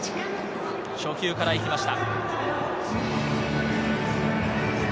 初球から行きました。